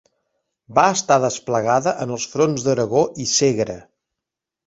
Va estar desplegada en els fronts d'Aragó i Segre.